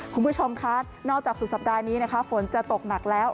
คุณผู้ชมคะนอกจากสุดสัปดาห์นี้นะคะฝนจะตกหนักแล้ว